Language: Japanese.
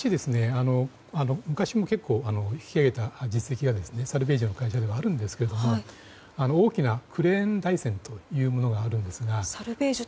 昔も結構引き揚げた実績がサルベージの会社ではあるんですが大きなクレーン台船というものがあるんですが。